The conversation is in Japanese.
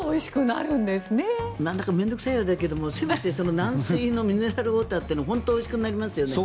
なんだか面倒臭いようだけどせめて軟水のミネラルウォーターというのは本当においしくなりますよね。